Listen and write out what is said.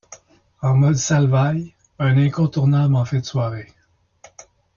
En mode Salvail un incontournable en fin de soirée.